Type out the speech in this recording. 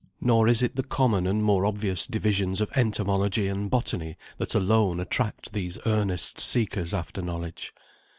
Nor is it the common and more obvious divisions of Entomology and Botany that alone attract these earnest seekers after knowledge.